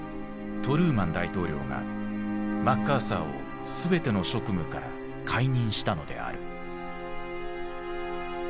トルーマン大統領がマッカーサーを全ての職務から解任したのである。